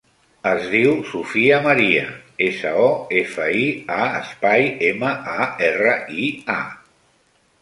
Es diu Sofia maria: essa, o, efa, i, a, espai, ema, a, erra, i, a.